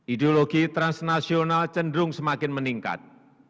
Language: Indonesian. ideologi transnasional cenderung semakin meningkat